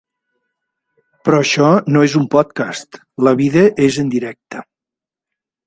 Però això no és un podcast, la vida és en directe.